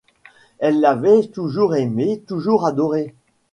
Elle l’avait toujours aimé, toujours adoré.